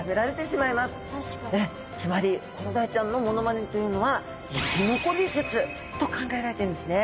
つまりコロダイちゃんのモノマネというのは生き残り術と考えられているんですね。